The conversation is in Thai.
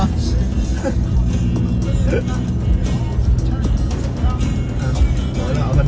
เอาอีกคลิปนึง